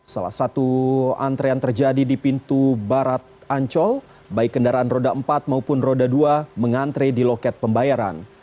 salah satu antrean terjadi di pintu barat ancol baik kendaraan roda empat maupun roda dua mengantre di loket pembayaran